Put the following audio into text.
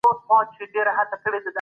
چا د ذمي حقوق تر پښو لاندي کړل؟